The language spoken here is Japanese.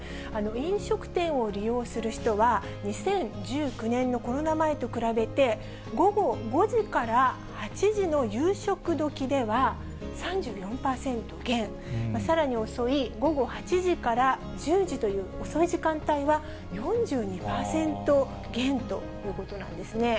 飲食店を利用する人は、２０１９年のコロナ前と比べて、午後５時から８時の夕食時では３４％減、さらに遅い午後８時から１０時という遅い時間帯は、４２％減ということなんですね。